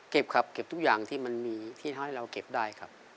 ครับเก็บทุกอย่างที่มันมีที่เขาให้เราเก็บได้ครับ